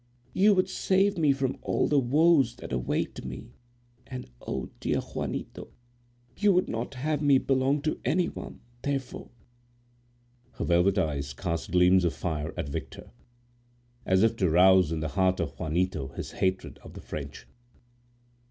You would save me from all the woes that await me—and, oh! dear Juanito! you would not have me belong to any one—therefore—" Her velvet eyes cast gleams of fire at Victor, as if to rouse in the heart of Juanito his hatred of the French.